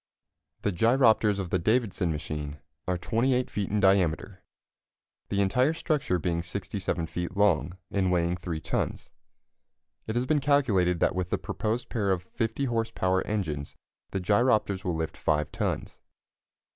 The gyropters of the Davidson machine are 28 feet in diameter, the entire structure being 67 feet long, and weighing 3 tons. It has been calculated that with the proposed pair of 50 horse power engines the gyropters will lift 5 tons.